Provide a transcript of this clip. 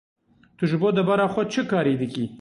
Tu ji bo debara xwe çi karî dikî?